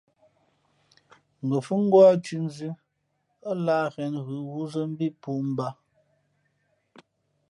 Ngα̌ fhʉ̄ ngwá thʉ̌ nzʉ̄, ά lǎh ghěn ghʉ wúzᾱ mbí pōō mbǎ.